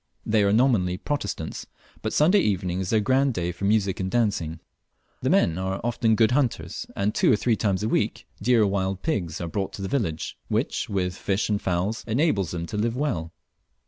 They are nominally Protestants, but Sunday evening is their grand day for music and dancing. The men are often good hunters; and two or three times a week, deer or wild pigs are brought to the village, which, with fish and fowls, enables them to live well.